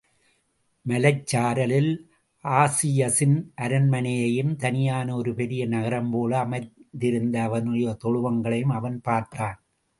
மலைச் சாரலில் ஆஜியஸின் அரண்மனையையும், தனியான ஒரு பெரிய நகரம் போல அமைந்திருந்த அவனுடைய தொழுவங்களையும அவன் பார்த்தான்.